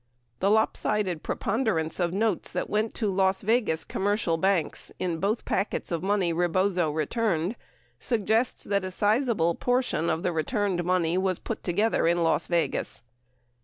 The lop sided preponderance of notes that went to Las Vegas commercial banks in both packets of money Rebozo returned suggests that a siz able portion of the returned money was put together in Las Vegas.